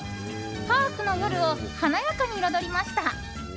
パークの夜を華やかに彩りました。